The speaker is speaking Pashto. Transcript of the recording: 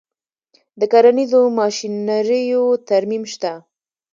د کرنیزو ماشینریو ترمیم شته